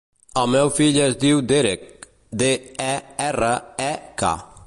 El meu fill es diu Derek: de, e, erra, e, ca.